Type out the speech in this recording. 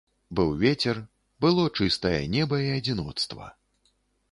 Быў вецер, было чыстае неба і адзіноцтва.